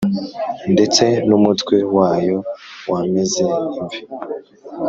Ndetse n’umutwe wayo wameze imvi,